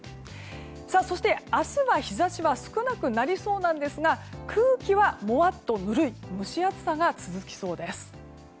そして、明日は日差しが少なくなりそうですが空気は、もわっとぬるい蒸し暑さが続きそうです。